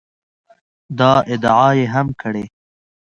دا ادعا یې هم کړې